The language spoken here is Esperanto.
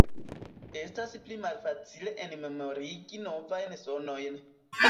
Estas pli malfacile enmemorigi novajn sonojn.